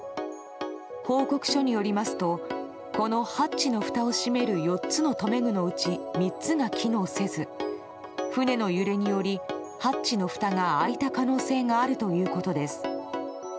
報告書によりますとこのハッチのふたを閉める４つの留め具のうち３つが機能せず船の揺れによりハッチのふたが開いた可能性があるということです。